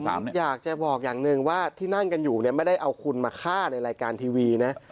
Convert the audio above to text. ผมอยากจะบอกอย่างหนึ่งว่าที่นั่งกันอยู่เนี่ยไม่ได้เอาคุณมาฆ่าในรายการทีวีนะ